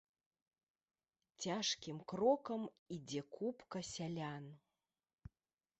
Цяжкім крокам ідзе купка сялян.